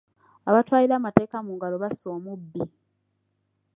Abatwalira amateeka mu ngalo basse omubbi.